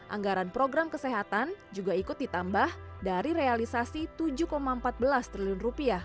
anggaran program kesehatan juga ikut ditambah dari realisasi rp tujuh empat belas triliun